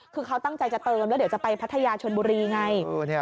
คือเขาตั้งใจจะเติมแล้วเดี๋ยวจะไปพัทยาชนบุรีไง